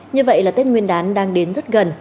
như vậy là tết nguyên đán đang đến rất gần